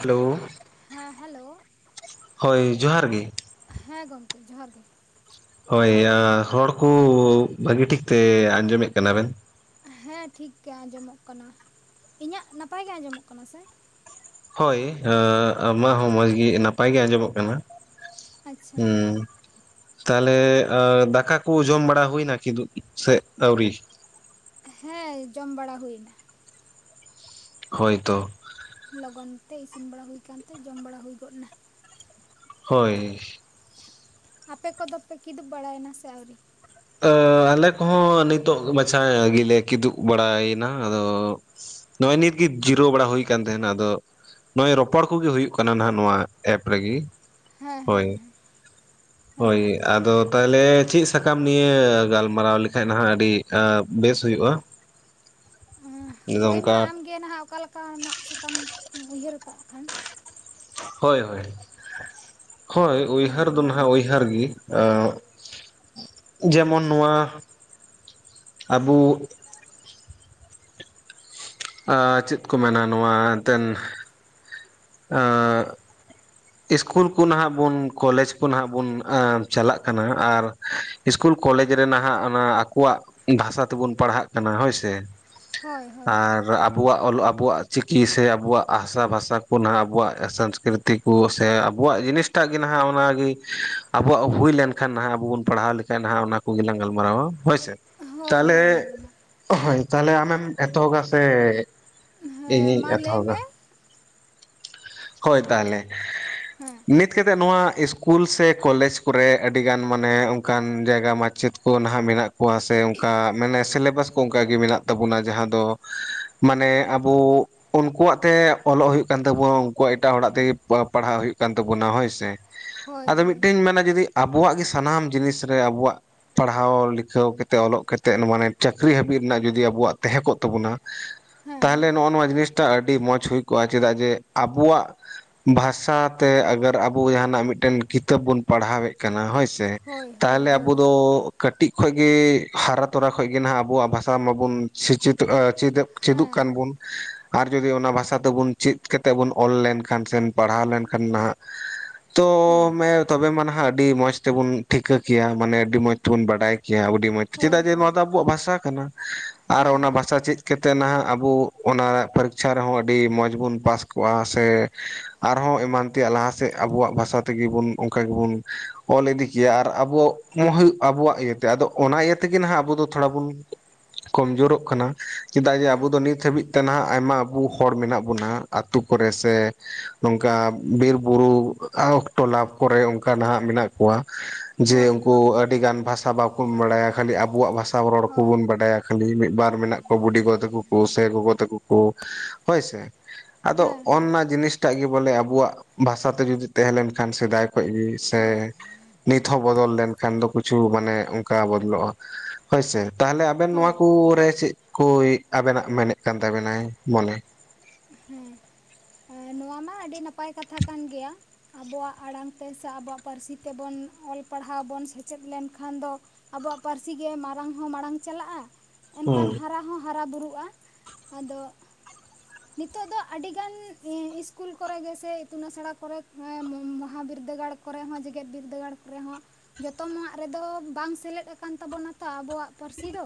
Hello ᱦᱮᱸ hello, ᱦᱳᱭ ᱡᱚᱦᱟᱨ ᱜᱮ ᱾ ᱦᱮᱸ ᱜᱚᱢᱠᱮ ᱡᱚᱦᱟᱨ ᱜᱮ ᱾ ᱦᱳᱭ ᱦᱚᱲ ᱠᱚ ᱵᱷᱟᱹᱜᱤ ᱴᱷᱤᱠᱛᱮ ᱟᱸᱡᱚᱢᱮᱜ ᱠᱟᱱᱟ ᱵᱮᱱ ᱾ ᱦᱮᱸ ᱴᱷᱤᱠ ᱜᱮ ᱟᱸᱡᱚᱢᱚᱜ ᱠᱟᱱᱟ ᱾ ᱤᱧᱟᱹᱜ ᱱᱟᱯᱟᱭ ᱜᱮ ᱟᱸᱡᱚᱢᱚᱜ ᱠᱟᱱᱟ ᱥᱮ ᱾ ᱦᱳᱭ ᱟᱢᱟᱜ ᱦᱚᱸ ᱢᱚᱸᱡᱽᱜᱮ, ᱱᱟᱯᱟᱭ ᱜᱮ ᱟᱸᱡᱚᱢᱚᱜ ᱠᱟᱱᱟ ᱾ ᱟᱪᱪᱷᱟ ᱦᱮᱸ ᱛᱟᱦᱚᱞᱮ ᱫᱟᱠᱟ ᱠᱚ ᱡᱚᱢ ᱵᱟᱲᱟ ᱦᱩᱭ ᱱᱟ ᱠᱤᱱᱫᱩ ᱥᱮ ᱟᱣᱨᱤ? ᱦᱮᱸ ᱡᱚᱢ ᱵᱟᱲᱟ ᱦᱩᱭ ᱱᱟ ᱾ ᱦᱳᱭᱛᱚ ᱞᱚᱜᱚᱱ ᱛᱮ ᱤᱥᱤᱱ ᱵᱟᱲᱟ ᱦᱩᱭ ᱠᱟᱱᱛᱮ ᱡᱚᱢ ᱵᱟᱲᱟ ᱦᱩᱭ ᱜᱚᱜ ᱱᱟ ᱾ ᱦᱳᱭ ᱟᱯᱮ ᱠᱚᱫᱚ ᱯᱮ ᱠᱤᱫᱩᱵ ᱵᱟᱲᱟᱭᱮᱱᱟ ᱥᱮ ᱟᱹᱣᱨᱤ? ᱟᱞᱮ ᱠᱚᱸᱦᱚ ᱱᱤᱛᱚᱜ ᱢᱟᱪᱷᱟ ᱜᱮᱞᱮ ᱠᱤᱫᱩᱵ ᱵᱟᱲᱟᱭᱮᱱᱟ ᱾ ᱟᱫᱚ ᱱᱚᱜᱼᱚᱭ ᱱᱤᱛᱜᱮ ᱡᱤᱨᱟᱹᱣ ᱵᱟᱲᱟ ᱦᱩᱭ ᱠᱟᱱ ᱛᱟᱦᱮᱱ ᱟᱫᱚ ᱾ ᱱᱚᱜᱼᱚᱭ ᱨᱚᱯᱚᱲ ᱠᱚᱜᱮ ᱦᱩᱭᱩᱜ ᱠᱟᱱᱟ ᱱᱟᱦᱟᱜ ᱱᱚᱣᱟ ᱮᱯ ᱨᱮᱜᱮ ᱾ ᱦᱮᱸ ᱻᱦᱮᱸ ᱦᱳᱭ ᱟᱫᱚ ᱛᱟᱦᱚᱞᱮ ᱪᱮᱫ ᱥᱟᱠᱟᱢ ᱱᱤᱭᱟᱹ ᱜᱟᱞᱢᱟᱨᱟᱣ ᱞᱮᱠᱷᱟᱡ ᱱᱟᱦᱟᱜ ᱟᱹᱰᱤ ᱵᱮᱥ ᱦᱩᱭᱩᱜᱼᱟ ᱾ [inaudible] ᱦᱳᱭ ᱢᱟ ᱟᱢᱜᱮ ᱱᱟᱦᱟᱜ ᱚᱠᱟ ᱞᱮᱠᱟ, ᱱᱟᱜ ᱥᱟᱠᱟᱢ ᱩᱭᱦᱟᱹᱨ ᱠᱟᱜ ᱠᱷᱟᱱ ᱾ ᱦᱳᱭ ᱻᱦᱳᱭ, ᱦᱳᱭ ᱦᱮᱸ ᱩᱭᱦᱟᱹᱨ ᱫᱚ ᱢᱮᱱ ᱱᱟᱦᱟᱜ ᱢᱮ ᱩᱭᱦᱟᱹᱨ ᱜᱤ ᱾ ᱟ ᱡᱮᱢᱚᱱ ᱱᱚᱣᱟ ᱟᱵᱩ ᱟᱨ ᱪᱮᱫ ᱠᱚ ᱢᱮᱱᱟ, ᱱᱚᱣᱟ ᱮᱱᱛᱮᱫ ᱟᱨ [unintelligible] ᱤᱥᱠᱩᱞ ᱠᱚ ᱱᱟᱦᱟᱸᱜ ᱵᱚᱱ, ᱠᱚᱞᱮᱡᱽ ᱠᱚ ᱱᱟᱦᱜ ᱵᱚᱱ ᱪᱟᱞᱟᱜ ᱠᱟᱱᱟ ᱾ ᱟᱨ ᱤᱥᱠᱩᱞ ᱠᱚᱞᱮᱡᱽ ᱨᱮ ᱱᱟᱦᱟᱜ ᱚᱱᱟ ᱟᱠᱚᱣᱟᱜ ᱵᱷᱟᱥᱟᱹ ᱛᱮᱵᱚᱱ ᱯᱟᱲᱦᱟᱜ ᱠᱟᱱᱟ ᱾ ᱦᱳᱭ ᱥᱮ ᱦᱳᱭ ᱦᱳᱭ ᱟᱨ ᱟᱵᱚᱣᱟᱜ ᱚᱞ ᱟᱵᱚᱣᱟᱜ ᱪᱤᱠᱤ ᱥᱮ, ᱟᱵᱚᱣᱟᱜ ᱟᱥᱟᱼ ᱵᱷᱟᱥᱟ ᱠᱚ ᱱᱟᱦᱟᱜ ᱟᱵᱚᱣᱟᱜ ᱥᱟᱝᱥᱠᱨᱤᱛᱤ ᱥᱮ ᱟᱵᱚᱣᱟᱜ ᱡᱤᱱᱤᱥᱴᱟᱜ ᱜᱮ ᱱᱟᱦᱟᱜ ᱚᱱᱟᱜᱮ ᱟᱵᱚᱣᱟᱜ ᱦᱩᱭ ᱞᱮᱱᱠᱷᱟᱱ ᱾ ᱱᱟᱦᱟᱜ ᱟᱵᱚ ᱵᱚᱱ ᱯᱟᱲᱦᱟᱣ ᱞᱮᱠᱷᱟᱱ ᱱᱟᱦᱟᱜ ᱚᱱᱟ ᱠᱚ ᱜᱮᱞᱟᱝ ᱜᱟᱞᱢᱟᱨᱟᱣᱟ ᱦᱳᱭᱥᱮ ᱾ ᱦᱳᱭ ᱛᱟᱦᱚᱞᱮ ᱦᱳᱭ ᱦᱳᱭ ᱢᱟ ᱦᱳᱭ ᱛᱟᱦᱚᱞᱮ ᱟᱢᱮᱢ ᱮᱛᱷᱚᱦᱚᱵᱟ ᱥᱮ? ᱦᱮᱸ ᱤᱧᱤᱧ ᱢᱟ ᱞᱟᱹᱭ ᱮᱛᱷᱚᱦᱚᱵᱟ, ᱢᱮ ᱦᱳᱭ ᱛᱟᱦᱟᱞᱮ ᱾ ᱦᱮᱸ ᱱᱤᱛ ᱠᱟᱛᱮᱫ ᱱᱚᱣᱟ ᱤᱥᱠᱩᱞ ᱥᱮ ᱠᱚᱞᱮᱡᱽ ᱠᱚᱨᱮ ᱟᱹᱰᱤ ᱜᱟᱱ ᱢᱟᱱᱮ ᱚᱱᱠᱟᱱ ᱡᱟᱭᱜᱟ ᱢᱟᱪᱮᱫ ᱠᱚ ᱱᱟᱦᱟᱜ ᱢᱮᱱᱟᱜ ᱠᱚᱣᱟ ᱥᱮ ᱚᱱᱠᱟ ᱢᱟᱱᱮ ᱥᱤᱞᱮᱵᱟᱥ ᱠᱚ ᱚᱱᱠᱟᱜᱮ ᱢᱮᱱᱟᱜ ᱛᱟᱵᱚᱱᱟ ᱡᱟᱦᱟᱸ ᱫᱚ ᱢᱟᱱᱮ ᱟᱵᱚ ᱩᱱᱠᱩᱣᱟᱜ ᱛᱮ ᱚᱞᱚᱜ ᱦᱩᱭᱩᱜ ᱠᱟᱱ ᱛᱟᱵᱚᱱ ᱾ ᱚ ᱮᱴᱟᱜ ᱦᱚᱲᱟᱜ ᱛᱮᱜᱮ ᱯ ᱯᱟᱲᱦᱟᱜ ᱦᱩᱭᱩᱜ ᱠᱟᱱ ᱛᱟᱵᱚᱱᱟ ᱦᱳᱭ ᱥᱮ ᱦᱳᱭ ᱟᱫᱚ ᱦᱳᱭ ᱢᱤᱫᱴᱮᱱ ᱢᱮᱱᱟ ᱡᱩᱫᱤ ᱟᱵᱚᱣᱟᱜ ᱜᱮ ᱥᱟᱱᱟᱢ ᱡᱤᱱᱤᱥ ᱨᱮ ᱟᱵᱚᱣᱟᱜ ᱯᱟᱲᱦᱟᱣ ᱞᱤᱠᱷᱟᱹᱣ ᱠᱟᱛᱮᱫ ᱚᱞᱚᱜ ᱠᱟᱛᱮᱫ ᱢᱟᱱᱮ ᱪᱟᱹᱠᱨᱤ ᱦᱟᱹᱵᱤᱡ ᱨᱮᱱᱟᱜ ᱡᱩᱫᱤ ᱟᱵᱚᱣᱟᱜ ᱛᱟᱦᱮᱸ ᱠᱚᱜ ᱛᱟᱵᱚᱱᱟ᱾ ᱦᱮᱸ ᱛᱟᱦᱚᱞᱮ ᱦᱮᱸ ᱱᱚᱜᱼᱚ ᱱᱚᱣᱟ ᱡᱤᱱᱤᱥᱴᱟ ᱟᱹᱰᱤ ᱢᱚᱸᱡᱽ ᱦᱩᱭ ᱠᱚᱜᱼᱟ ᱪᱮᱫᱟᱜ ᱡᱮ ᱟᱵᱚᱣᱟᱜ ᱵᱷᱟᱥᱟᱛᱮ ᱟᱜᱟᱨ ᱟᱵᱚ ᱡᱟᱦᱱᱟᱜ ᱢᱤᱫᱴᱮᱱ ᱠᱤᱛᱟᱹᱵ ᱵᱚᱱ ᱯᱟᱲᱦᱟᱣᱮᱫ ᱠᱟᱱᱟ ᱦᱳᱭᱥ᱾ ᱦᱳᱭ ᱦᱳᱭ ᱛᱟᱦᱟᱞᱮ ᱟᱵᱚ ᱦᱳᱭ ᱫᱚ ᱠᱟᱹᱴᱤᱡ ᱠᱷᱚᱱᱚᱡ ᱜᱮ ᱦᱟᱨᱟ ᱛᱚᱨᱟ ᱠᱷ ᱜᱮ ᱱᱟᱦᱟᱜ ᱟᱵᱚᱣᱟᱜ ᱵᱷᱟᱥᱟ ᱢᱟᱵᱚᱱᱪᱚᱜ ᱪᱮᱫ ᱪᱮᱫᱚᱜ ᱦᱮᱸ ᱠᱟᱱ ᱵᱚᱱ ᱟᱨ ᱡᱩᱫᱤ ᱚᱱᱟ ᱵᱷᱟᱥᱟ ᱛᱮᱵᱚᱱ ᱪᱮᱫ ᱠᱟᱛᱮ ᱛᱮᱵᱚᱱ ᱚᱞ ᱞᱮᱱᱠᱷᱟᱱ ᱥᱮ ᱯᱟᱲᱦᱟᱣ ᱞᱮᱱᱠᱷᱟᱱ ᱱᱟᱦᱟᱜ ᱛᱚ ᱦᱳᱭ ᱛᱚᱵᱮ ᱢᱟ ᱱᱟᱦᱟᱜ ᱟᱹᱰᱤ ᱢᱚᱸᱡᱽ ᱛᱮᱵᱚᱱ ᱴᱷᱤᱠᱟᱹ ᱠᱮᱭᱟ ᱾ ᱢᱟᱱᱮ ᱟᱹᱰᱤ ᱢᱚᱸᱡᱽ ᱛᱮᱵᱚᱱ ᱵᱟᱰᱟᱭ ᱡᱮ ᱟᱹᱰᱤ ᱢᱚᱡ ᱦᱳᱭ ᱪᱮᱫᱟᱜ ᱡᱮ ᱱᱚᱣᱟ ᱦᱳᱭ ᱫᱚ ᱟᱵᱚᱣᱟᱜ ᱵᱷᱟᱥᱟ ᱠᱟᱱᱟ ᱾ ᱟᱨ ᱚᱱᱟ ᱦᱮᱸ ᱵᱷᱟᱥᱟ ᱪᱮᱫ ᱾ ᱠᱟ ᱠᱟᱛᱮ ᱱᱟᱦᱟᱜ ᱟᱵᱚ ᱚᱱᱟ ᱯᱚᱨᱤᱠᱷᱟ ᱨᱮᱦᱚᱸ ᱟᱹᱰᱤ ᱢᱚᱡᱽ ᱵᱚᱱ ᱯᱟᱥ ᱥᱮ ᱟᱨᱦᱚᱸ ᱮᱢᱟᱱ ᱛᱮᱭᱟᱜ ᱞᱟᱦᱟ ᱥᱮᱫ ᱟᱵᱚᱣᱟᱜ ᱵᱷᱟᱥᱟ ᱛᱮᱜᱮ ᱵᱚᱱ ᱚᱱᱠᱟ ᱜᱮᱵᱚᱱ ᱚᱞ ᱤᱫᱤ ᱠᱮᱭᱟ ᱟᱨ ᱟᱵᱚᱣᱟᱜ ᱦᱩᱭᱩᱜ ᱟᱵᱚᱣᱟᱜ ᱤᱭᱟᱹᱛᱮ ᱟᱫᱚ ᱚᱱᱟ ᱤᱭᱟᱹ ᱛᱮᱜᱮ ᱱᱟᱟᱜ ᱟᱵᱚ ᱫᱚ ᱛᱷᱚᱲᱟ ᱵᱚᱱ ᱠᱚᱢᱡᱳᱨᱚᱜ ᱠᱟᱱᱟ ᱪᱮᱫᱟᱜ ᱡᱮ ᱟᱵᱚ ᱦᱮᱸ ᱫᱚ ᱱᱤᱛ ᱦᱟᱹᱵᱤᱡ ᱛᱮ ᱱᱟᱦᱟᱜ ᱟᱭᱢᱟ ᱟᱵᱚ ᱦᱚᱲ ᱢᱮᱱᱟᱜ ᱵᱚᱱᱟ ᱟᱛᱳ ᱠᱚᱨᱮ ᱥᱮ ᱱᱚᱝᱠᱟ ᱵᱤᱨᱵᱩᱨᱩ ᱚᱠᱴᱚ ᱞᱟᱵᱷ ᱠᱚᱨᱮ ᱚᱱᱠᱟ ᱱᱟᱦᱟᱜ ᱢᱮᱱᱟᱜ ᱠᱚᱣᱟ ᱡᱮ ᱦᱳᱭ ᱩᱱᱠᱩ ᱦᱳᱭ ᱟᱹᱰᱤ ᱜᱟᱱ ᱵᱷᱟᱥᱟ ᱵᱟᱠᱚ ᱵᱟᱲᱟᱭᱟ ᱠᱷᱟᱹᱞᱤ ᱟᱵᱚᱣᱟᱜ ᱵᱷᱟᱥᱟ ᱨᱚᱲ ᱦᱳᱭ ᱠᱚᱵᱚᱱ ᱵᱟᱰᱟᱭᱟ ᱠᱷᱟᱹᱞᱤ ᱢᱤᱫ ᱵᱟᱨ ᱢᱮᱱᱟᱜ ᱠᱚᱣᱟ ᱵᱩᱰᱤ ᱜᱚ ᱛᱟᱠᱚ ᱠᱚ ᱥᱮ ᱜᱚᱜᱚ ᱛᱟᱠᱚ ᱠᱚ ᱦᱳᱭ ᱥᱮ ᱟᱫᱚ ᱦᱮᱸ ᱦᱮᱸ ᱚᱱᱱᱟ ᱡᱤᱱᱤᱥᱴᱟᱜ ᱜᱮ ᱵᱚᱞᱮ ᱟᱵᱚᱣᱟᱜ ᱵᱷᱟᱥᱟ ᱛᱮ ᱡᱩᱫᱤ ᱛᱟᱦᱮᱸ ᱞᱮᱱ ᱠᱷᱟᱱ ᱥᱮᱫᱟᱭ ᱠᱷᱚᱱ ᱠᱷ ᱜᱮ ᱥᱮ ᱦᱳᱭ ᱱᱤᱛ ᱦᱚᱸ ᱵᱚᱫᱚᱞ ᱞᱮᱱᱠᱷᱟᱱ ᱫᱚ ᱠᱤᱪᱷᱩ ᱢᱟᱱᱮ ᱚᱱᱠᱟ ᱵᱚᱫᱚᱞᱚᱜᱼᱟ ᱦᱳᱭᱥᱮ ᱛᱟᱦᱞᱮ ᱟᱵᱮᱱ ᱱᱚᱣᱟ ᱦᱳᱭ ᱠᱚᱨᱮ ᱪᱮᱫ ᱠᱚ ᱟᱵᱮᱱᱟᱜ ᱢᱮᱱᱮᱫ ᱠᱟᱱ ᱛᱟᱵᱮᱱᱟᱭ ᱢᱚᱱᱮ ᱦᱮᱸ ᱱᱚᱣᱟ ᱢᱟ ᱟᱹᱰᱤ ᱱᱟᱯᱟᱭ ᱠᱟᱛᱷᱟ ᱠᱟᱱ ᱜᱮᱭᱟ ᱟᱵᱚᱣᱟᱜ ᱟᱲᱟᱝ ᱛᱮ ᱥᱮ ᱟᱵᱚᱣᱟᱜ ᱯᱟᱹᱨᱥᱤ ᱛᱮᱵᱚᱱ ᱚᱞ ᱯᱟᱲᱦᱟᱣ ᱵᱚᱱ ᱥᱮᱪᱮᱫ ᱞᱮᱱᱠᱷᱟᱱ ᱫᱚ ᱟᱵᱚᱣᱟᱜ ᱯᱟᱹᱨᱥᱤᱜ ᱜᱮ ᱢᱟᱨᱟᱝ ᱦᱚᱸ ᱢᱟᱲᱟᱝ ᱪᱟᱞᱟᱜᱼᱟ ᱮᱱᱠᱷᱟᱱ ᱦᱩᱸ ᱦᱟᱨᱟ ᱦᱚᱸ ᱦᱟᱨᱟ ᱵᱩᱨᱩᱜᱼᱟ ᱟᱫᱚ ᱱᱤᱛᱚᱜ ᱫᱚ ᱟᱹᱰᱤᱜᱟᱱ ᱤᱥᱠᱩᱞ ᱠᱚᱨᱮ ᱜᱮ ᱥᱮᱮ ᱤᱛᱩᱱ ᱟᱥᱲᱟ ᱠᱚᱨᱮ ᱢᱚᱦᱟ ᱵᱤᱨᱫᱟᱹᱜᱟᱲ ᱠᱚᱨᱮ ᱦᱚᱸ ᱡᱮᱜᱮᱛ ᱵᱤᱨᱫᱟᱹᱜᱟᱲ ᱠᱚ ᱨᱮᱦᱚᱸ ᱡᱚᱛᱚᱟᱜ ᱨᱮᱫᱚ ᱵᱟᱝ ᱥᱮᱞᱮᱫ ᱟᱠᱟᱱ ᱛᱟᱵᱚᱱᱟᱛᱚ ᱟᱵᱚᱣᱟᱜ ᱯᱟᱹᱨᱥᱤ ᱫᱚ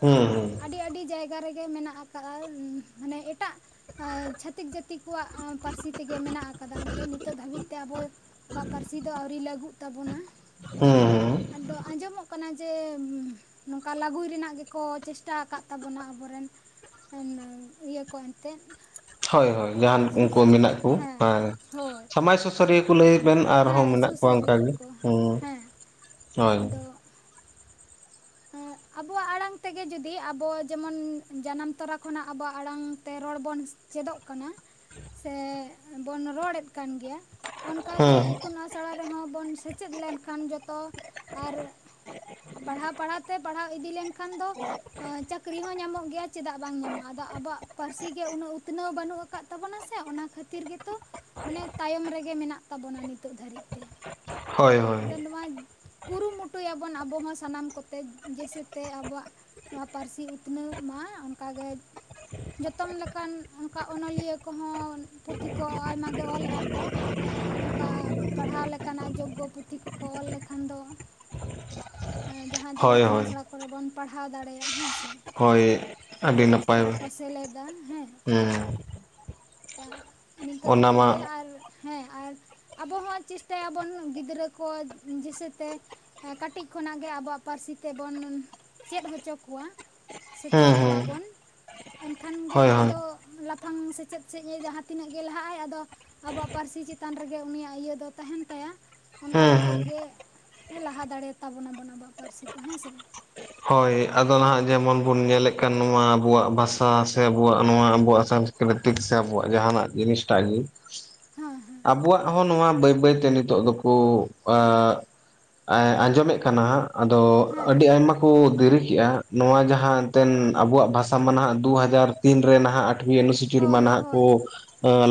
ᱦᱩᱸ ᱦᱩᱸ ᱟᱹᱰᱤ ᱟᱹᱰᱤ ᱡᱟᱭᱜᱟ ᱨᱮᱜᱮ ᱢᱮᱱᱟᱜ ᱟᱠᱟᱟᱜᱼᱟ ᱢᱟᱱᱮ ᱮᱴᱟᱜ ᱪᱷᱟᱛᱤᱠ ᱜᱟᱟᱹᱛᱤ ᱠᱚᱣᱟᱜ ᱯᱟᱹᱨᱥᱤ ᱛᱮᱜᱮ ᱢᱮᱱᱟᱜ ᱟᱠᱟᱫᱟ ᱮᱱᱛᱮᱫ ᱱᱤᱛᱚᱜ ᱫᱷᱟᱹᱵᱤᱡ ᱛᱮ ᱟᱵᱚᱣᱟᱜ ᱯᱟᱹᱨᱥᱤ ᱫᱚ ᱟᱹᱣᱨᱤ ᱞᱟᱹᱜᱩᱜ ᱛᱟᱵᱚᱱᱟ ᱦᱮᱸ ᱦᱮᱸ ᱟᱫᱚ ᱟᱸᱡᱚᱢᱚᱜ ᱠᱟᱱᱟ ᱡᱮ ᱱᱚᱝᱠᱟ ᱞᱟᱹᱜᱩᱭ ᱨᱮᱱᱟᱜ ᱜᱮᱠᱚ ᱪᱮᱥᱴᱟ ᱟᱠᱟᱫ ᱛᱟᱵᱚᱱᱟ ᱟᱵᱚ ᱨᱮᱱ ᱤᱭᱟᱹ ᱠᱚ ᱮᱱᱛᱮᱫ ᱦᱳᱭ ᱦᱳᱭ ᱡᱟᱦᱟᱱ ᱥᱩᱥ ᱩᱱᱠᱩ ᱢᱮᱱᱟᱜ ᱠᱚ ᱦᱮᱸ ᱦᱳᱭ ᱥᱟᱢᱟᱡᱽ ᱥ ᱥᱩᱥᱟᱹᱨᱤᱭᱟᱹ ᱠᱚ ᱞᱟᱹᱭᱮᱫ ᱵᱮᱱ ᱟᱨᱦᱚᱸ ᱦᱮᱸ ᱢᱮᱱᱟᱜ ᱠᱚᱣᱟ ᱚᱱᱠᱟᱜ ᱥᱩᱥᱟᱹᱨᱤᱭᱟᱹ ᱜᱮ ᱠᱚ ᱦᱸ ᱦᱮᱸ ᱦᱳᱭ ᱟᱫᱚ ᱟᱵᱚᱣᱟᱜ ᱟᱲᱟᱝ ᱛᱮᱜᱮ ᱡᱩᱫᱤ ᱟᱵᱚ ᱡᱮᱢᱚᱱ ᱡᱟᱱᱟᱢ ᱛᱚᱨᱟ ᱠᱷᱚᱱᱟᱜ ᱟᱵᱚᱣᱟᱜ ᱟᱲᱟᱝ ᱛᱮ ᱨᱚᱲ ᱵᱚᱱ ᱪᱮᱫᱚᱜ ᱠᱟᱱᱟ ᱥᱮ ᱵᱚᱱ ᱨᱚᱲᱮᱫ ᱠᱟᱱ ᱜᱮᱭᱟ ᱚᱱᱠᱟ ᱜᱮ ᱤᱛᱩᱱ ᱟᱥᱲᱟ ᱨᱮᱦᱚᱸ ᱵᱚᱱ ᱥᱮᱪᱮᱫ ᱞᱮᱱᱠᱷᱟᱱ ᱡᱚᱛᱚ ᱟᱨ ᱯᱟᱲᱦᱟᱣ ᱯᱟᱲᱦᱟᱣ ᱛᱮ ᱯᱟᱲᱦᱟᱣ ᱤᱫᱤ ᱞᱮᱱᱠᱷᱟᱱ ᱫᱚ ᱪᱟᱹᱠᱨᱤ ᱦᱚᱸ ᱧᱟᱢᱚᱜ ᱜᱮᱭᱟ ᱪᱮᱫᱟᱜ ᱵᱟᱝ ᱧᱟᱢᱚᱜᱼᱟ ᱟᱫᱚ ᱟᱵᱚᱣᱟᱜ ᱯᱟᱹᱨᱥᱤ ᱜᱮ ᱩᱱᱟᱹᱜ ᱩᱛᱱᱟᱹᱣ ᱵᱟᱹᱱᱩᱜ ᱟᱠᱟᱫ ᱛᱟᱵᱚᱱᱟ ᱥᱮ ᱚᱱᱟ ᱠᱷᱟᱹᱛᱤᱨ ᱜᱮᱛᱚ ᱢᱟᱱᱮ ᱛᱟᱭᱚᱢ ᱨᱮᱜᱮ ᱢᱮᱱᱟᱜ ᱛᱟᱵᱚᱱᱟ ᱱᱤᱛᱚᱜ ᱫᱷᱟᱹᱨᱤᱡ ᱛᱮ ᱦᱳᱭ ᱦᱳᱭ ᱟᱫᱚ ᱱᱚᱣᱟ ᱠᱩᱨᱩᱢᱩᱴᱩᱭᱟᱵᱚᱱ ᱟᱵᱚ ᱦᱚᱸ ᱥᱟᱱᱟᱢ ᱠᱚ ᱛᱮᱡ ᱡᱮᱥᱮᱛᱮ ᱟᱵᱚᱣᱟᱜ ᱱᱚᱣᱟ ᱯᱟᱹᱨᱥᱤ ᱩᱛᱱᱟᱹᱣ ᱢᱟ ᱚᱝᱠᱟᱜᱮ ᱡᱚᱛᱚᱢ ᱞᱮᱠᱟᱱ ᱚᱱᱠᱟ ᱚᱱᱚᱞᱤᱭᱟᱹ ᱠᱚᱦᱚᱸ ᱯᱩᱛᱷᱤ ᱠᱚ ᱟᱭᱢᱟ ᱜᱮ ᱚᱞᱮᱜᱼᱟ ᱠᱚ ᱱᱚᱝᱠᱟ ᱯᱟᱲᱦᱟᱣ ᱞᱮᱠᱟᱱᱟᱜ ᱡᱳᱜᱜᱳ ᱯᱩᱛᱷᱤ ᱠᱚᱠᱚ ᱚᱞ ᱞᱮᱠᱷᱟᱱ ᱫᱚ ᱮᱸ ᱡᱟᱦᱟᱸ ᱛᱚ ᱦᱳᱭ ᱤᱛᱩᱱ ᱦᱳᱭ ᱟᱥᱲᱟ ᱠᱚᱨᱮ ᱵᱚᱱ ᱯᱟᱲᱦᱟᱣ ᱫᱟᱲᱮᱭᱟᱜᱼᱟ ᱦᱮᱸ ᱥᱮ᱾ ᱦᱳᱭ ᱟᱹᱰᱤ ᱥᱤᱞᱮᱵᱟᱥ ᱱᱟᱯᱟᱭ ᱠᱚᱨᱮ ᱦᱩᱸ ᱠᱚ ᱥᱮᱞᱮᱫᱟ ᱦᱮᱸ᱾ ᱠᱟ ᱱᱤᱝᱠᱟᱹ ᱚᱱᱟ ᱠᱟᱛᱮᱫ ᱢᱟ ᱜᱮ ᱟᱨ ᱦᱮᱸ ᱟᱨ ᱟᱵᱚ ᱦᱚᱸ ᱪᱮᱥᱴᱟᱭᱟᱵᱚᱱ ᱜᱤᱫᱽᱨᱟᱹ ᱠᱚ ᱡᱮᱥᱮᱛᱮ ᱦᱮᱸ ᱠᱟᱹᱴᱤᱡ ᱠᱷᱚᱱᱟᱜ ᱜᱮ ᱟᱵᱚᱣᱟᱜ ᱯᱟᱹᱨᱥᱤ ᱛᱮᱵᱚᱱ ᱪᱮᱫ ᱦᱚᱪᱚ ᱠᱚᱣᱟ᱾ ᱥᱮᱪᱮᱫ ᱦᱩᱸ ᱠᱚᱣᱟ ᱦᱩᱸ ᱵᱚᱱ ᱮᱱᱠᱷᱟᱱ ᱜᱮ ᱦᱳᱭ ᱦᱳᱭ ᱦᱩᱸ ᱟᱫᱚ ᱞᱟᱯᱷᱟᱝ ᱥᱮᱪᱮᱫ ᱥᱮᱫ ᱮ ᱡᱟᱦᱟᱸ ᱛᱤᱱᱟᱹᱜ ᱜᱮ ᱞᱟᱦᱟᱜᱼ ᱟᱭ ᱟᱫᱚ ᱟᱵᱚᱣᱟᱜ ᱯᱟᱹᱨᱥᱤ ᱪᱮᱛᱟᱱ ᱨᱮᱜᱮ ᱩᱱᱤᱭᱟᱜ ᱤᱭᱟᱹ ᱫᱚ ᱛᱟᱦᱮᱱ ᱛᱟᱭᱟ ᱚᱝᱠᱟ ᱠᱟᱛᱮᱜ ᱦᱩᱸ ᱜᱮ ᱦᱮᱸ ᱞᱟᱦᱟ ᱫᱟᱲᱮᱭ ᱛᱟᱵᱚᱱᱟ ᱱᱟᱵᱚᱱ ᱟᱵᱚᱣᱟᱜ ᱯᱟᱹᱨᱥᱤ ᱠᱚ ᱦᱮᱸ ᱥᱮ ᱵᱟᱝ? ᱦᱳᱭ ᱟᱫᱚ ᱱᱟᱦᱟᱜ ᱡᱮᱢᱚᱱ ᱵᱚᱱ ᱧᱮᱞᱮᱜ ᱠᱟᱱ ᱱᱚᱣᱟ ᱟᱵᱚᱣᱟᱜ ᱵᱷᱟᱥᱟ ᱥᱮ ᱟᱵᱚᱣᱟᱜ ᱱᱚᱣᱟ ᱟᱵᱚᱣᱟᱜ ᱥᱟᱝ ᱨᱤᱛᱤᱠ ᱥᱮ ᱟᱵᱚᱣᱟᱜ ᱡᱟᱦᱱᱟᱜ ᱡᱤᱱᱤᱥ ᱴᱟᱜ ᱜᱮ ᱦᱮᱸ ᱦᱮᱸ ᱟᱵᱩᱣᱟᱜ ᱦᱚᱸ ᱱᱚᱣᱟ ᱵᱟᱹᱭ ᱵᱟᱹᱭᱛᱮ ᱱᱤᱛᱚᱜ ᱫᱚᱠᱩ ᱟᱸ ᱮᱸ ᱟᱸᱡᱚᱢᱮᱜ ᱠᱟᱱᱟ ᱦᱟᱸᱜ ᱟᱫᱚ ᱟᱹᱰᱤ ᱦᱮᱸ ᱟᱭᱢᱟ ᱠᱚ ᱫᱮᱨᱤ ᱠᱮᱜᱼᱟ᱾ ᱱᱚᱣᱟ ᱡᱟᱦᱟᱸ ᱮᱱᱛᱮᱱ ᱟᱵᱚᱣᱟᱜ ᱵᱷᱟᱥᱟ ᱢᱟ ᱱᱟᱦᱟᱜ ᱫᱩ ᱦᱟᱡᱟᱨ ᱛᱤᱱ ᱨᱮ ᱱᱟᱦᱟᱜ ᱱᱤᱭᱟᱹ ᱟᱹᱱᱩᱥᱩᱪᱤ ᱨᱮᱢᱟ ᱦᱳᱭ ᱱᱟᱦᱟᱜ ᱠᱚ ᱦᱳᱭ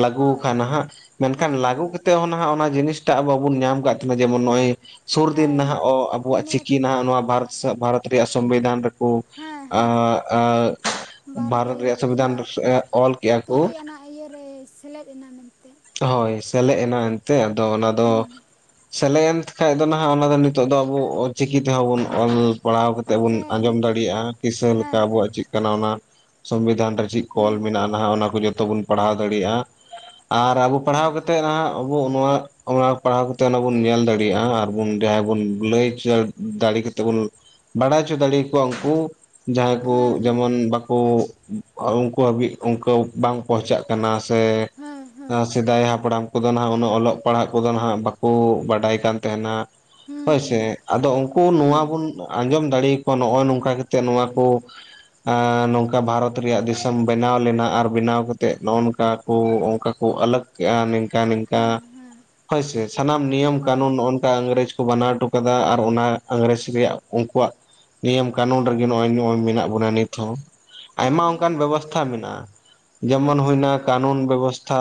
ᱞᱟᱹᱜᱩᱣ ᱦᱳᱭ ᱠᱟᱜ ᱱᱟᱦᱟᱜ ᱢᱮᱱᱠᱷᱟᱱ ᱦᱳᱭ ᱞᱟᱹᱜᱩ ᱦᱳᱭ ᱠᱟᱛᱮᱜ ᱚᱱᱟ ᱦᱟᱸᱜ ᱚᱱᱟ ᱡᱤᱱᱤᱥ ᱴᱟᱜ ᱵᱟᱵᱚᱱ ᱧᱟᱢ ᱠᱟᱜ ᱛᱟᱦᱮᱱᱟ ᱡᱮᱢᱚᱱ ᱱᱚᱜᱼᱚᱭ ᱥᱩᱨ ᱫᱤᱱ ᱦᱮᱸ ᱱᱟᱦᱟᱜ ᱚ ᱟᱵᱚᱣᱟᱜ ᱱᱮᱴ ᱪᱤᱠᱤ ᱱᱟᱦᱟᱜ ᱱᱚᱣᱟ ᱵᱷᱟᱨᱚᱛ ᱥᱮ ᱵᱷᱟᱨᱚᱛ ᱨᱮᱭᱟᱜ ᱥᱚᱸᱵᱤᱫᱷᱟᱱ ᱨᱮ ᱠᱚ ᱦᱮᱸ ᱦᱮᱸ ᱮᱸ ᱮᱸ ᱵᱷᱟᱨᱚᱛ ᱨᱮᱭᱟᱜ ᱵᱟᱨᱜᱮᱞ ᱥᱚᱝᱵᱤᱫᱷᱟᱱ ᱚᱞ ᱠᱮᱜᱼᱟ ᱠᱚ᱾ ᱤᱭᱟᱹ ᱨᱮ ᱥᱮᱞᱮᱫ ᱮᱱᱟ ᱢᱮᱱᱛᱮ᱾ ᱦᱳᱭ ᱥᱮᱞᱮᱜ ᱮᱱᱟ ᱮᱱᱛᱮᱜ ᱟᱫᱚ ᱚᱱᱟ ᱫᱚ ᱦᱩᱸ ᱥᱮᱞᱮᱜ ᱮᱱᱛᱷ ᱠᱷᱟᱡ ᱫᱚ ᱱᱟᱦᱟᱜ ᱚᱱᱟ ᱫᱚ ᱱᱤᱛᱚᱜ ᱫᱚ ᱟᱵᱚ ᱚ ᱪᱤᱠᱤ ᱛᱮᱦᱚᱸ ᱵᱚᱱ ᱚᱞ ᱯᱟᱲᱦᱟᱣ ᱛᱮᱜ ᱵᱚᱱ ᱦᱮᱸ ᱟᱸᱡᱚᱢ ᱱᱤᱛᱚᱜ ᱫᱚ ᱫᱟᱲᱮᱭᱟᱜᱼᱟ, ᱠᱤᱥᱟᱹ ᱞᱮᱠᱟ ᱦᱮᱸ ᱟᱵᱚᱣᱟᱜ ᱦᱮᱸ ᱪᱮᱜ ᱠᱟᱱᱟ ᱚᱱᱟ ᱥᱚᱝᱵᱤᱫᱷᱟᱱ ᱨᱮ ᱪᱮᱜ ᱠᱚ ᱚᱞ ᱦᱩᱸ ᱢᱮᱱᱟᱜᱼᱟ, ᱱᱟᱦᱟᱜ ᱚᱱᱟ ᱠᱚ ᱡᱚᱛᱚ ᱵᱚᱱ ᱯᱟᱲᱦᱟᱣ ᱫᱟᱲᱮᱜᱼᱟ᱾ ᱟᱨ ᱟᱵᱚ ᱯᱟᱲᱦᱟᱣ ᱦᱮᱸ ᱠᱟᱛᱮᱫ ᱱᱟᱦᱟᱜ ᱟᱵᱚ ᱱᱚᱣᱟ ᱚᱱᱟ ᱯᱟᱲᱦᱟᱣ ᱠᱟᱛᱮᱜ ᱚᱱᱟ ᱵᱚᱱ ᱧᱮᱞ ᱫᱟᱲᱮᱜᱼᱟ, ᱟᱨ ᱵᱟᱱ ᱡᱟᱦᱟᱸᱟᱭ ᱵᱚᱱ ᱞᱟᱹᱭᱪ ᱪᱚ ᱫᱟᱲᱮ ᱠᱟᱛᱮᱜ ᱵᱩᱱ ᱵᱟᱲᱟᱭ ᱚᱪᱚ ᱫᱟᱲᱤ ᱠᱚᱣᱟ ᱩᱝᱠᱩ᱾ ᱡᱟᱦᱟᱸᱭ ᱠᱚ ᱦᱮᱸ ᱦᱮᱸ ᱡᱮᱢᱚᱱ ᱵᱟᱠᱚ ᱩᱝᱠᱩ ᱦᱟᱹᱵᱤᱡ ᱚᱝᱠᱟ ᱵᱟᱝ ᱯᱳᱦᱪᱟᱜ ᱠᱟᱱᱟ ᱥᱮ ᱦᱮᱸ ᱦᱮᱸ ᱥᱮᱫᱟᱭ ᱦᱟᱯᱲᱟᱢ ᱠᱚᱫᱚ ᱱᱟᱦᱟᱜ ᱩᱱᱟᱹᱜ ᱚᱞᱚᱜ ᱯᱟᱲᱦᱟᱜ ᱠᱚᱫᱚ ᱱᱟᱦᱟᱜ ᱵᱟᱠᱚ ᱵᱟᱰᱟᱭ ᱠᱟᱱ ᱛᱟᱦᱮᱱᱟ᱾ ᱦᱩᱸ ᱦᱳᱭ ᱥᱮ ᱦᱩᱸ ᱟᱫᱚ ᱩᱝ ᱠᱩ ᱱᱚᱣᱟ ᱦᱩᱸ ᱵᱚᱱ ᱟᱸᱡᱚᱢ ᱫᱟᱲᱮᱭ ᱠᱚᱣᱟ ᱱᱚᱜᱼᱚᱭ ᱱᱚᱝᱠᱟ ᱠᱟ ᱠᱟᱛᱮ ᱱᱚᱣᱟ ᱠᱚ ᱟᱸ ᱱᱚᱝᱠᱟ ᱵᱷᱟᱨᱚᱛ ᱨᱮᱭᱟᱜ ᱫᱤᱥᱚᱢ ᱵᱮᱱᱟᱣ ᱞᱮᱱᱟ, ᱟᱨ ᱵᱮᱱᱟᱣ ᱠᱟᱛᱮᱜ ᱱᱚᱜ-ᱱᱚᱝᱠᱟ ᱠᱚ ᱚᱝᱠᱟ ᱠᱚ ᱟᱞᱟᱜ ᱠᱮᱜᱼᱟ ᱱᱤᱝᱠᱟ ᱱᱤᱝᱠᱟ᱾ ᱦᱮᱸ ᱦᱮᱸ ᱦᱳᱭᱥᱮ ᱥᱟᱱᱟᱢ ᱱᱤᱭᱚᱢ ᱠᱟᱱᱩᱱ ᱦᱳᱭ ᱱᱚᱜᱼᱱᱚᱝᱠᱟ ᱟᱹᱝᱨᱟᱹᱡᱽ ᱠᱚ ᱵᱟᱱᱟᱣ ᱚᱴᱚ ᱠᱟᱫᱟ ᱟᱨ ᱚᱱᱟ ᱝᱨᱮᱡᱽ ᱨᱮᱭᱟᱜ ᱩᱱᱠᱩᱣᱟᱜ ᱱᱤᱭᱚᱢ ᱠᱟᱹᱱᱩᱱ ᱨᱮᱜᱮ ᱱᱚᱜᱼᱚᱭ ᱱᱚᱜᱼᱚᱭ ᱢᱮᱱᱟᱜ ᱵᱚᱱᱟ ᱱᱤᱛᱦᱚᱸ᱾ ᱟᱭᱢᱟ ᱦᱳᱭ ᱚᱝᱠᱟᱱ ᱦᱳᱭ ᱵᱮᱵᱚᱥᱛᱷᱟ ᱢᱮᱱᱟᱜᱼᱟ, ᱡᱮᱢᱚᱱ ᱦᱳᱭ ᱦᱩᱭᱱᱟ ᱠᱟᱱᱩᱱ ᱵᱮᱵᱚᱥᱛᱷᱟ᱾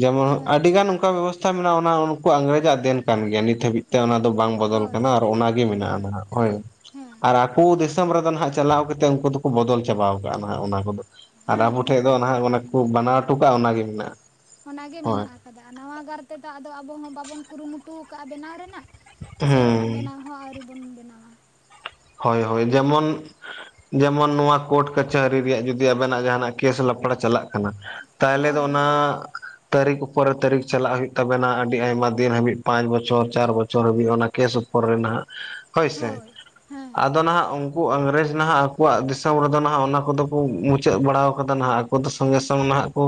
ᱡᱮᱢᱚ ᱦᱮᱸ ᱟᱹᱰᱤ ᱜᱟᱱ ᱚᱝᱠᱟ ᱵᱮᱵᱚᱥᱛᱷᱟ ᱢᱮᱱᱟᱜᱼᱟ, ᱚᱱᱟ ᱩᱱᱠᱩ ᱤᱝᱨᱮᱡᱽ ᱟᱜ ᱫᱮᱱ ᱠᱟᱱ ᱜᱮᱭᱟ ᱱᱤᱛ ᱦᱟᱹᱵᱤᱡ ᱛᱮ ᱚᱱᱟ ᱫᱚ ᱵᱟᱝ ᱵᱚᱫᱚᱞ ᱦᱳᱭ ᱠᱟᱱᱟ ᱟᱨ ᱚᱱᱟᱜᱮ ᱢᱮᱱᱟᱜᱼᱟ ᱱᱟᱦᱟᱜ ᱦᱳᱭ᱾ ᱦᱮᱸ ᱟᱨ ᱟᱠᱩ ᱫᱤᱥᱚᱢ ᱨᱮᱫᱚ ᱱᱟᱦᱟᱜ ᱪᱟᱞᱟᱣ ᱠᱟᱛᱮᱜ ᱩᱝᱠᱩ ᱫᱚᱠᱩ ᱵᱚᱫᱚᱞ ᱪᱟᱵᱟᱣ ᱠᱟᱜᱼᱟ ᱱᱟᱦᱟᱜ ᱚᱱᱟ ᱠᱚᱫᱚ᱾ ᱟᱨ ᱦᱮᱸ ᱟᱵᱚ ᱴᱷᱮᱜ ᱫᱚ ᱦᱮᱸ ᱱᱟᱦᱟᱜ ᱚᱱᱮ ᱠᱚ ᱵᱟᱱᱟᱣ ᱚᱴᱚ ᱠᱟᱜᱼᱟ ᱚᱱᱟᱜᱮ ᱢᱮᱱᱟᱜᱼᱟ᱾ ᱚᱱᱟᱜᱮ ᱦᱳᱭ ᱢᱮᱱᱟᱜ ᱟᱠᱟᱫᱟ, ᱱᱟᱣᱟ ᱜᱟᱨ ᱛᱮᱫᱚ ᱟᱫᱚ ᱟᱵᱚ ᱦᱚᱸ ᱵᱟᱵᱚᱱ ᱠᱩᱨᱩᱢᱩᱴᱩ ᱟᱠᱟᱫᱟ ᱵᱮᱱᱟᱣ ᱨᱮᱱᱟᱜ᱾ ᱥᱮ ᱦᱮᱸ ᱵᱮᱱᱟᱣ ᱦᱚᱸ ᱟᱹᱣᱨᱤ ᱵᱚᱱ ᱵᱮᱱᱟᱣᱟ᱾ ᱦᱳᱭ ᱦᱳᱭ ᱡᱮᱢᱚᱱ ᱡᱮᱢᱚᱱ ᱱᱚᱣᱟ ᱠᱳᱰ ᱠᱟᱪᱷᱟᱹᱨᱤ ᱨᱮᱭᱟᱜ ᱡᱩᱫᱤ ᱟᱵᱮᱱᱟᱜ ᱡᱟᱦᱟᱱᱟᱜ ᱠᱮᱥ ᱞᱟᱯᱲᱟ ᱪᱟᱞᱟᱜ ᱠᱟᱱᱟ ᱛᱟᱦᱮᱞᱮ ᱫᱚ ᱦᱳᱭ ᱚᱱᱟ ᱦᱳᱭ ᱛᱟᱹᱨᱤᱠᱷ ᱩᱯᱚᱨᱮ ᱛᱟᱹᱨᱤᱠᱷ ᱪᱟᱞᱟᱜ ᱦᱩᱭᱩᱜ ᱛᱟᱵᱮᱱᱟ ᱟᱹᱰᱤ ᱟᱭᱢᱟ ᱫᱤᱱ ᱦᱟᱹᱵᱤᱡ ᱯᱟᱸᱪ ᱵᱚᱪᱷᱚᱨ ᱪᱟᱨ ᱵᱚᱪᱷᱚᱨ ᱦᱟᱹᱵᱤᱡ ᱚᱱᱟ ᱠᱮᱥ ᱩᱯᱚᱨ ᱨᱮ ᱱᱟ ᱥᱮ ᱦᱳᱭ ᱦᱮᱸ ᱟᱫᱚ ᱱᱟᱦᱟᱜ ᱩᱱᱠᱩ ᱤᱝᱨᱮᱹᱡᱽ ᱱᱟᱦᱟᱜ ᱟᱠᱚᱣᱟᱜ ᱫᱤᱥᱚᱢ ᱨᱮᱫᱚ ᱱᱟᱦᱟᱜ ᱚᱱᱟ ᱠᱚᱫᱚ ᱠᱚ ᱢᱩᱪᱟᱹᱫ ᱵᱟᱲᱟ ᱟᱠᱟᱫᱟ ᱱᱟᱦᱟᱜ᱾ ᱩᱱᱠᱩᱫᱚ ᱥᱚᱸᱜᱮ ᱥᱚᱝ ᱱᱟᱦᱟᱜ ᱠᱚ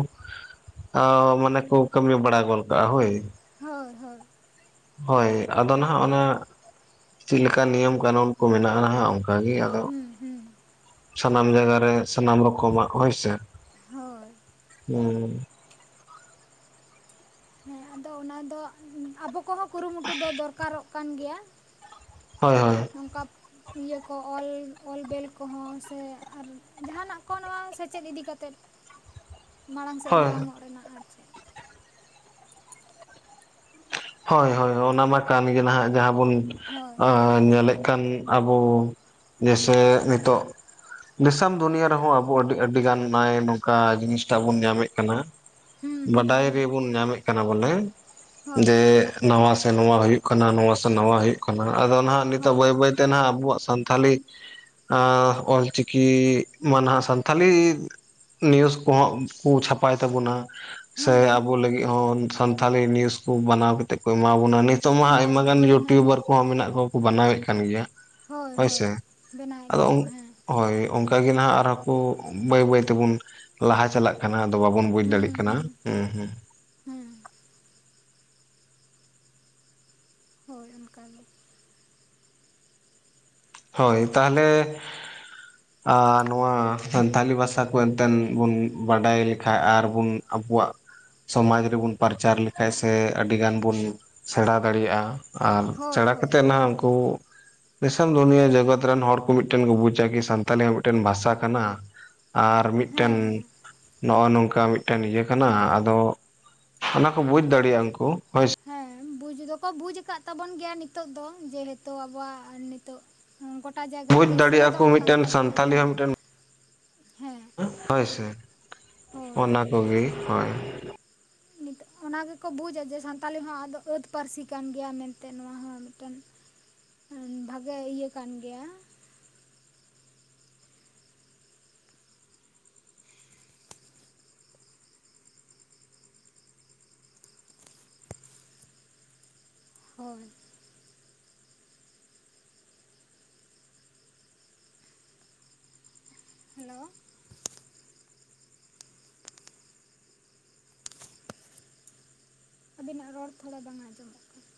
ᱢᱟᱱᱮ ᱠᱚ ᱠᱟᱹᱢᱤ ᱵᱟᱲᱟ ᱜᱚᱫ ᱠᱟᱜᱼᱟ ᱦᱳᱭ᱾ ᱦᱳᱭ ᱦᱳᱭ ᱦᱳᱭ ᱟᱫᱚ ᱱᱟᱦᱟᱜ ᱚᱱᱟ ᱪᱮᱫᱮᱠᱟ ᱱᱤᱭᱚᱢ ᱠᱟᱹᱱᱩᱱ ᱠᱚ ᱢᱮᱱᱟᱜᱼᱟ ᱱᱟᱦᱟᱜ ᱚᱱᱠᱟ ᱵᱷᱟᱜᱮ ᱟᱫᱚ ᱦᱩᱸ ᱦᱩᱸ ᱥᱟᱱᱟᱢ ᱡᱟᱭᱜᱟ ᱨᱮ ᱥᱟᱱᱟᱢ ᱨᱚᱠᱚᱢᱟᱜ ᱦᱳᱭᱥᱮ ᱦᱳᱭ ᱦᱸ ᱦᱮᱸ ᱟᱫᱚ ᱚᱱᱟ ᱫᱚ ᱟᱵᱚ ᱠᱚᱦᱚᱸ ᱠᱩᱨᱩᱢᱩᱴᱩ ᱫᱚ ᱫᱚᱨᱠᱟᱨᱚᱜ ᱠᱟᱱ ᱜᱮᱭᱟ᱾ ᱦᱳᱭ ᱦᱳᱭ ᱚᱝᱠᱟᱯ [unintelligible] ᱤᱭᱟᱹ ᱠᱚ ᱚᱞ ᱚᱞ ᱵᱮᱞ ᱠᱚᱦᱚᱸ ᱥᱮ ᱟᱨ ᱡᱟᱦᱟᱱᱟᱜ ᱠᱚ ᱱᱚᱣᱟ ᱥᱮᱪᱮᱫ ᱤᱫᱤ ᱠᱟᱛᱮᱮᱫ [inaudible] ᱢᱟᱲᱟᱝ ᱥᱮᱫ ᱦᱳᱭ ᱢᱟᱲᱟᱝᱚᱜ ᱨᱮᱱᱟᱜ ᱟᱨ ᱪᱮᱫ ᱦᱳᱭ ᱦᱳᱭ ᱚᱱᱟ ᱢᱟ ᱠᱟᱱ ᱜᱮ ᱱᱟᱦᱟᱜ ᱡᱟᱦᱟᱸ ᱵᱚᱱ ᱦᱳᱭ ᱚᱸ ᱧᱮᱞᱮᱫ ᱠᱟᱱ ᱟᱵᱚ ᱡᱮᱥᱮ ᱱᱤᱛᱚᱜ ᱫᱤᱥᱚᱢ ᱫᱩᱱᱤᱭᱟᱹ ᱨᱮᱦᱚᱸ ᱟᱵᱚ ᱟᱹᱰᱤ ᱟᱹᱰᱤᱜᱟᱱ ᱱᱚᱜᱼ ᱱᱚᱝᱠᱟ ᱡᱤᱱᱤᱥᱴᱟᱜ ᱵᱚᱱ ᱧᱟᱢᱮᱫ ᱠᱟᱱᱟ ᱦᱩᱸ ᱦᱩᱸ ᱵᱟᱰᱟᱭ ᱦᱩᱸ ᱨᱮᱵᱚᱱ ᱧᱟᱢᱮᱫ ᱠᱟᱱᱟ ᱵᱚᱞᱮ ᱦᱳᱭ ᱡᱮ ᱱᱟᱣᱟ ᱥᱮ ᱱᱚᱣᱟ ᱦᱩᱭᱩᱜ ᱠᱟᱱᱟ ᱱᱚᱣᱟ ᱥᱮ ᱱᱟᱣᱟ ᱦᱩᱭᱩᱜ ᱠᱟᱱᱟ ᱟᱫᱚ ᱱᱟᱦᱟᱜ ᱱᱤᱛᱚᱜ ᱦᱳᱭ ᱵᱟᱹᱭ ᱵᱟᱹᱭᱛᱮ ᱛᱮ ᱱᱟᱜ ᱟᱵᱚᱣᱟᱜ ᱥᱟᱱᱛᱟᱞᱤ ᱚᱞᱪᱤᱠᱤ ᱢᱟ ᱱᱟᱦᱟᱜ ᱥᱟᱱᱛᱟᱲᱤ ᱱᱤᱭᱩᱡᱽ ᱠᱚᱦᱚᱸ ᱠᱚ ᱪᱷᱟᱯᱟᱭ ᱛᱟᱵᱚᱱᱟ ᱥᱮ ᱦᱮᱸ ᱦᱮᱸ ᱟᱵᱚ ᱞᱟᱹᱜᱤᱫ ᱦᱚᱸ ᱥᱟᱱᱛᱟᱞᱤ ᱱᱤᱭᱩᱡ ᱠᱚ ᱵᱮᱱᱟᱣ ᱠᱟᱛᱮ ᱠᱚ ᱮᱢᱟ ᱵᱚᱱᱟ ᱱᱤᱛ ᱱᱤᱛᱚᱜ ᱢᱟ ᱟᱭᱢᱟ ᱜᱟᱱ ᱮᱢᱟᱣᱟᱵᱚᱱᱟ ᱦᱮᱸ ᱤᱭᱩᱴᱩᱵᱟᱨ ᱠᱚᱦᱚᱸ ᱢᱮᱱᱟᱜ ᱠᱚᱣᱟ ᱠᱚ ᱵᱮᱟᱱᱟᱣᱮᱫ ᱠᱟᱱ ᱜᱮᱭᱟ ᱦᱳᱭ ᱦᱳᱭ ᱦᱳᱭᱥᱮ ᱵᱮᱱᱟᱣᱮᱫ ᱟᱫᱚ ᱜᱮᱭᱟ ᱠᱚ ᱦᱮᱸ ᱦᱳᱭ ᱚᱱ ᱚᱱᱠᱟᱜᱮ ᱱᱟᱦᱟᱜ ᱟᱨᱦᱚᱸ ᱠᱚ ᱵᱟᱹᱭ ᱵᱟᱹᱭ ᱛᱮᱵᱚᱱ ᱞᱟᱦᱟ ᱪᱟᱞᱟᱜ ᱠᱟᱱᱟ ᱟᱫᱚ ᱵᱟᱵᱚᱱ ᱵᱩᱡ ᱦᱮᱸ ᱫᱟᱲᱮᱭᱟᱜ ᱠᱟᱱᱟ ᱦᱮᱸ ᱦᱩᱸ ᱦᱩᱸ ᱦᱮᱸ ᱚᱱᱠᱟᱱ ᱦᱳᱭ ᱛᱟᱦᱚᱞᱮ ᱟᱨ ᱱᱚᱣᱟ ᱥᱟᱱᱛᱷᱟᱞᱤ ᱵᱷᱟᱥᱟ ᱠᱚ ᱮᱱᱛᱮᱫ ᱵᱚᱱ ᱵᱟᱰᱟᱭ ᱞᱮᱠᱷᱟ ᱟᱨᱵᱚᱱ ᱟᱵᱚᱣᱟᱜ ᱥᱚᱢᱟᱡᱽ ᱨᱮᱵᱩᱱ ᱯᱟᱨᱪᱟᱨ ᱞᱮᱠᱷᱟᱱ ᱥᱮ ᱟᱹᱰᱤ ᱜᱟᱱ ᱵᱩᱱ ᱥᱮᱬᱟ ᱫᱟᱲᱮᱭᱟᱜᱼᱟ ᱟᱨ ᱦᱳᱭ ᱥᱮᱬᱟ ᱦᱳᱭ ᱠᱟᱛᱮᱫ ᱱᱟᱦᱱᱟᱜ ᱩᱱᱠᱩ ᱫᱤᱥᱚᱢ ᱫᱩᱱᱤᱭᱟᱹ ᱡᱮᱜᱚᱛ ᱨᱮᱱ ᱦᱚᱲ ᱠᱚ ᱢᱤᱫᱴᱮᱱ ᱠᱚ ᱵᱩᱡᱟ ᱠᱤ ᱥᱟᱱᱛᱟᱞᱤ ᱦᱸ ᱢᱤᱫᱴᱮᱱ ᱵᱷᱟᱥᱟ ᱠᱟᱱᱟ ᱟᱨ ᱢᱤᱫᱴᱮᱱ ᱦᱮᱸ ᱦᱮᱸ ᱱᱚᱜ ᱚᱭ ᱱᱚᱝᱠᱟ ᱢᱤᱫᱴᱮᱱ ᱤᱭᱟᱹ ᱠᱟᱱᱟ ᱟᱫᱚ ᱚᱱᱟ ᱠᱚ ᱵᱩᱡ ᱫᱟᱲᱮᱭᱟᱜᱼᱟ ᱩᱱᱠᱩ ᱦᱳ ᱦᱮᱸ ᱵᱩᱡᱽ ᱫᱚᱠᱚ ᱵᱩᱡ ᱟᱠᱟᱫ ᱛᱟᱵᱚᱱ ᱜᱮᱭᱟ ᱱᱤᱛᱚᱜ ᱫᱚ ᱡᱮᱦᱮᱛᱩ ᱟᱵᱚᱣᱟᱜ ᱱᱤᱛᱚᱜ ᱜᱚᱴᱟ ᱡᱟᱭᱜᱟ ᱵᱩᱡᱽ ᱨᱮᱜᱮ ᱫᱟᱲᱮᱭᱟᱜᱼᱟ ᱥᱮᱞᱮᱫᱚᱜ ᱠᱚ ᱠᱟᱱ ᱢᱤᱫᱴᱮᱱ ᱛᱟᱵᱚᱱᱟ ᱥᱟᱱᱛᱟᱞᱤ ᱦᱮᱸ ᱦᱚᱸ ᱢᱤᱫᱴᱮᱱ ᱦᱮᱸ ᱦᱳᱭ ᱥᱮ ᱦᱳᱭ ᱚᱱᱟ ᱠᱚᱜᱮ ᱦᱳᱭ ᱱᱤᱛ ᱚᱱᱟ ᱜᱮᱠᱚ ᱵᱩᱡᱟ ᱡᱮ ᱥᱟᱱᱛᱟᱞᱤ ᱦᱚᱸ ᱟᱫᱚ ᱟᱹᱛ ᱯᱟᱹᱨᱥᱤ ᱠᱟᱱ ᱜᱮᱭᱟ ᱢᱮᱱᱛᱮ ᱱᱚᱣᱟ ᱦᱚᱸ ᱢᱤᱫᱴᱮᱱ ᱵᱷᱟᱜᱮ ᱤᱭᱟᱹ ᱠᱟᱱ ᱜᱮᱭᱟ ᱦᱳᱭ ᱦᱮᱞᱳ ᱟᱵᱤᱱᱟᱜ ᱨᱚᱲ ᱛᱷᱚᱲᱟ ᱵᱟᱝ ᱟᱸᱡᱚᱢᱚᱜ ᱠᱟᱱᱟ